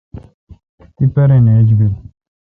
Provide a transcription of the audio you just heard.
تی پارن ایج بل۔